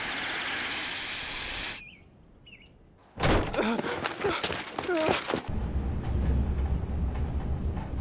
あっあぁ！